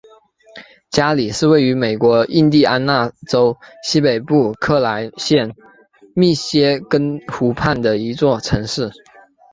加里是位于美国印第安纳州西北部莱克县密歇根湖畔的一座城市。